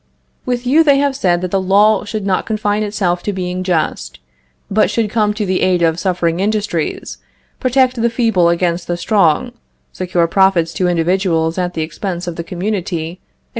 With you they have said that the law should not confine itself to being just, but should come to the aid of suffering industries, protect the feeble against the strong, secure profits to individuals at the expense of the community, etc.